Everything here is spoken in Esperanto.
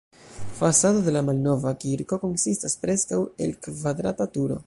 Fasado de la malnova kirko konsistas preskaŭ el kvadrata turo.